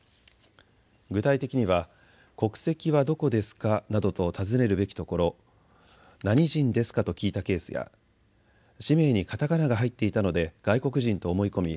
具体的には国籍はどこですかなどと尋ねるべきところ、何人ですかと聞いたケースや、氏名にカタカナが入っていたので外国人と思い込み